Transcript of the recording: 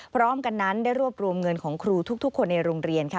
พร้อมกันนั้นได้รวบรวมเงินของครูทุกคนในโรงเรียนค่ะ